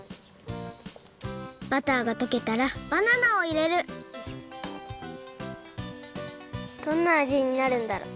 バターがとけたらバナナをいれるどんなあじになるんだろう。